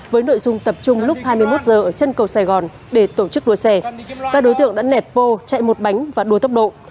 với nội dung tập trung lúc hai mươi một h ở chân cầu sài gòn để tổ chức đua xe các đối tượng đã nẹt vô chạy một bánh và đua tốc độ